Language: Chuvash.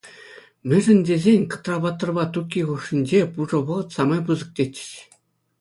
Мӗншӗн тесен Кӑтра-паттӑрпа Тукки хушшинче пушӑ вӑхӑт самай пысӑк, тетчӗҫ.